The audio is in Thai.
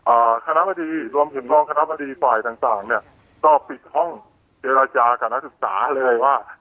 คณะบดีรวมถึงรองคณะบดีฝ่ายต่างต่างเนี้ยก็ปิดห้องเจรจากับนักศึกษาเลยว่า